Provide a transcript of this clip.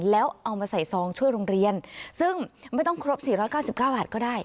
แล้วเอามาใส่ซองช่วยโรงเรียนซึ่งไม่ต้องครบสี่ร้อยเก้าสิบเก้าบาทก็ได้